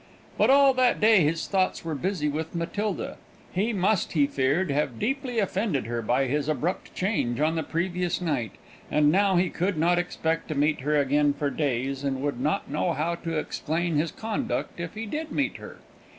But all that day his thoughts were busy with Matilda. He must, he feared, have deeply offended her by his abrupt change on the previous night; and now he could not expect to meet her again for days, and would not know how to explain his conduct if he did meet her.